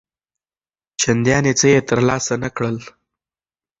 چنداني څه یې تر لاسه نه کړل.